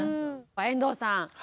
遠藤さん